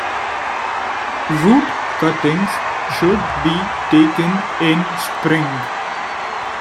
Root cuttings should be taken in spring.